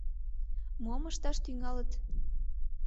Мом ышташ тӱҥалыт?